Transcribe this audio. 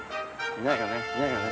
いないよね？